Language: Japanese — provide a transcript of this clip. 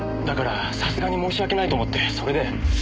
だからさすがに申し訳ないと思ってそれで。